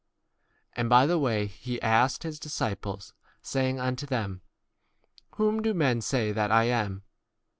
And by the way he asked his disciples, say ing unto them, Whom do men say 28 that I am